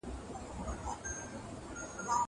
هغه وويل چي ليکنې ضروري دي!